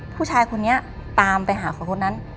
ผู้ชายคนนี้ตามไปหาคนนั้น